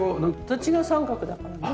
土地が三角だからね。